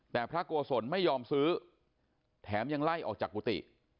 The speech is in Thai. แต่พระโกศลไม่ยอมซื้อแถมยังไล่ออกจากกุฏิ